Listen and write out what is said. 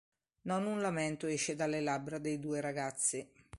Non un lamento esce dalle labbra dei due ragazzi.